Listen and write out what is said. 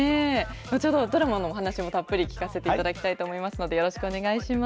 後ほどドラマのお話もたっぷり聞かせていただきたいと思いますので、よろしくお願いします。